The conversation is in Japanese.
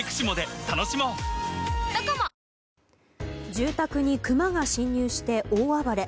住宅にクマが侵入して大暴れ。